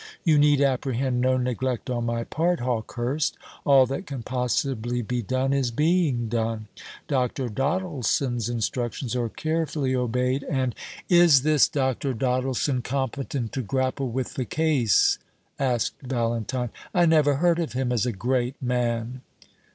You need apprehend no neglect on my part, Hawkehurst; all that can possibly be done is being done. Dr. Doddleson's instructions are carefully obeyed, and " "Is this Dr. Doddleson competent to grapple with the case?" asked Valentine; "I never heard of him as a great man."